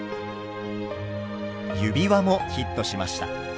指輪もヒットしました。